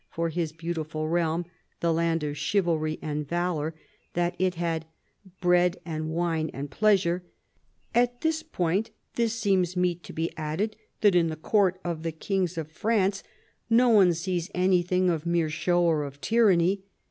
for his beautiful realm, the land of chivalry and valour, that it had " bread and wine and pleasure"; "at this point, this seems meet to be added, that in the court of the kings of France no one sees 216 PHILIP AUGUSTUS chap. anything of mere show or of tyranny.